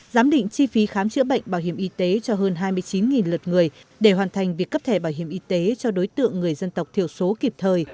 giám định chi phí khám chữa bệnh bảo hiểm y tế cho hơn hai mươi chín lượt người để hoàn thành việc cấp thẻ bảo hiểm y tế cho đối tượng người dân tộc thiểu số kịp thời